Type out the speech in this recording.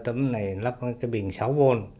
tấm này lắp cái bình sáu v